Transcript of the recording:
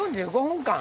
４５分間。